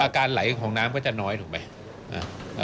การไหลของน้ำก็จะน้อยถูกไหม